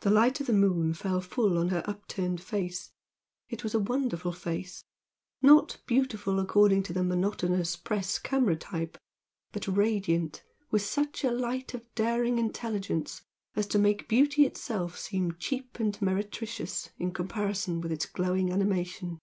The light of the moon fell full on her upturned face. It was a wonderful face, not beautiful according to the monotonous press camera type, but radiant with such a light of daring intelligence as to make beauty itself seem cheap and meretricious in comparison with its glowing animation.